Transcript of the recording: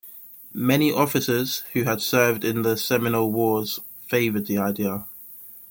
Many officers who had served in the Seminole Wars favored the idea.